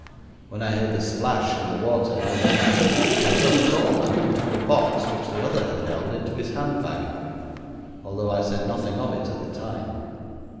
When I heard the splash in the water I ran aft, and I saw the tall man putting the box which the other had held into his handbag, although I said nothing of it at the time.